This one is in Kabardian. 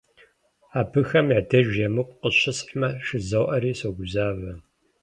Абыхэм я деж емыкӀу къыщысхьмэ жызоӀэри согузавэ.